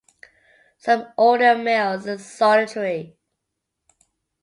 Some older males are solitary.